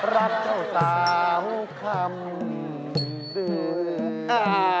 รับเจ้าสาวคำดื่ม